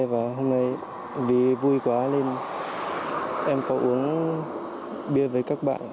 và hôm nay vì vui quá nên em có uống bia với các bạn